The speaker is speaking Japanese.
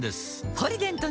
「ポリデント」